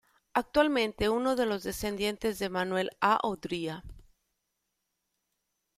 Actualmente uno de los descendientes de Manuel A. Odría.